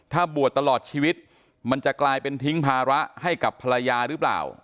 ถ้าบวชตลอดชีวิตมันจะกลายเป็นทิ้งภาระให้กับภรรยาหรือเปล่า